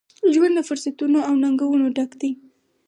ژوند له فرصتونو ، او ننګونو ډک دی.